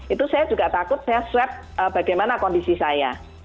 itu saya juga takut saya swab bagaimana kondisi saya